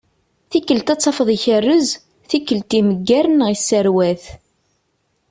Tikkelt ad tafeḍ ikerrez, tikkelt imegger neɣ isserwat.